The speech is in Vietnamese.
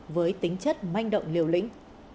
với tính chất manh động liều lĩnh